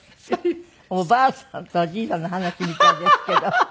おばあさんとおじいさんの話みたいですけど。